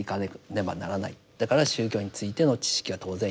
だから宗教についての知識は当然必要。